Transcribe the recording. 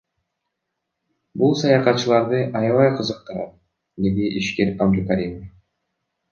Бул саякатчыларды аябай кызыктырат, — деди ишкер Абдукаримов.